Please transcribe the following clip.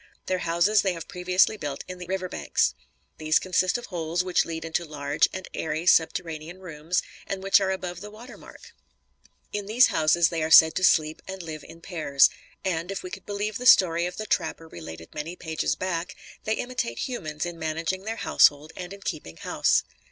Their houses they have previously built in the river banks. These consist of holes which lead into large and airy subterranean rooms, and which are above the water mark. In these houses they are said to sleep and live in pairs; and, if we could believe the story of the trapper related many pages back, they imitate human beings in managing their household and in keeping house.